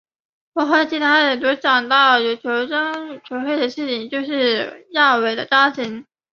我和其他人所想到有关球会的事情就是亚维的家庭。